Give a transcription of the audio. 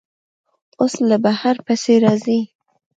اوس له بهر پیسې راځي.